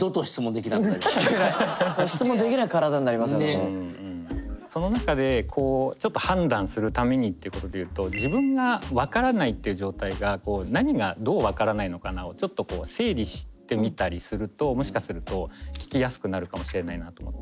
もうその中でちょっと判断するためにっていうことで言うと自分が分からないっていう状態が何がどう分からないのかなをちょっと整理してみたりするともしかすると聞きやすくなるかもしれないなと思って。